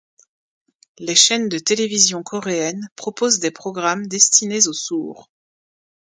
Les chaines de télévision coréennes proposent des programmes destinés aux sourds.